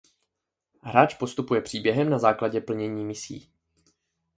Hráč postupuje příběhem na základě plnění misí.